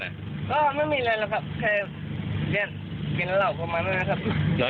ครับแค่นี่ร้องขวัสอย่างนี้ครับ